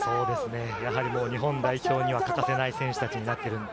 やはり日本代表には欠かせない選手たちになっています。